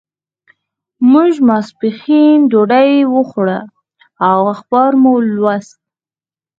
موږ ماسپښین ډوډۍ وخوړه او اخبار مو ولوست.